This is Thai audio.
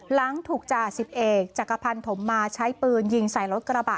หลังถูกจ่าสิบเอกจักรพันธมมาใช้ปืนยิงใส่รถกระบะ